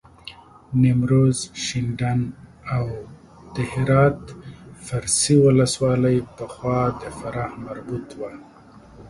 نیمروز، شینډنداو د هرات فرسي ولسوالۍ پخوا د فراه مربوط وه.